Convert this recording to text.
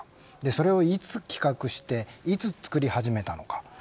それをいつ企画していつ作り始めたのか。